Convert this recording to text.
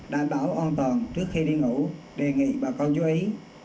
đảm bảo an toàn trước khi đi ngủ đề nghị bà con chú ý